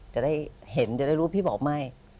จะได้เห็นจะได้รู้พี่บอกไม่